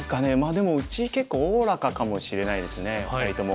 でもうち結構おおらかかもしれないですね２人とも。